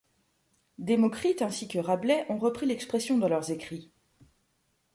Démocrite ainsi que Rabelais ont repris l'expression dans leurs écrits.